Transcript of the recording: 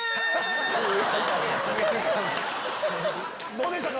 どうでしたか？